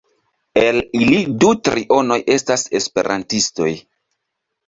El ili du trionoj estas esperantistoj.